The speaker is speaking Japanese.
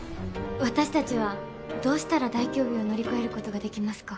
私たちはどうしたら大凶日を乗り越えることができますか？